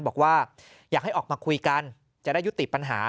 บอกว่าอยากให้ออกมาคุยกันจะได้ยุติปัญหา